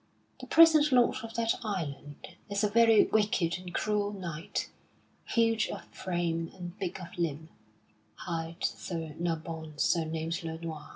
The present lord of that island is a very wicked and cruel knight, huge of frame and big of limb, hight Sir Nabon surnamed le Noir.